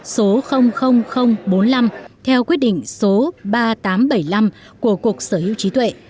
số bốn mươi năm theo quyết định số ba nghìn tám trăm bảy mươi năm của cục sở hữu trí tuệ